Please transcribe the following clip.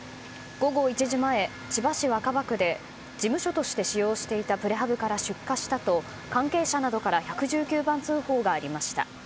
午後１時前、千葉市若葉区で事務所として使用していたプレハブから出火したと関係者などから１１９番通報がありました。